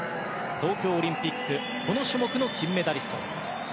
東京オリンピック、この種目の金メダリスト。